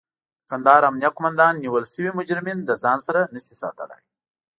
د کندهار امنيه قوماندان نيول شوي مجرمين له ځان سره نشي ساتلای.